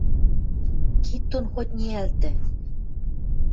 Кид дон хоть ниӓлтӹ.